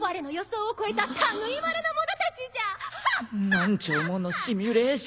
何兆ものシミュレーション。